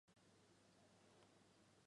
已经全部结冰